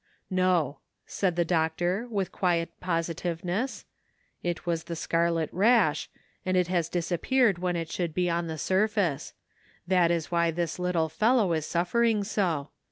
"No," said the doctor, with quiet positive ness, " it was the scarlet rash, and it has disap peared, when it should be on the surface ; that is why this little fellow is suffering so.